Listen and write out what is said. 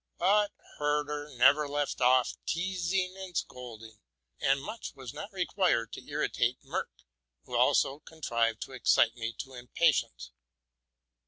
But Herder never left off his teasing and scolding ; and much was not required to irritate Merck, who also contrived to excite me to impatience.